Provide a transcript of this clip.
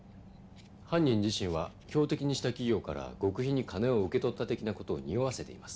犯人自身は標的にした企業から極秘に金を受け取った的な事をにおわせています。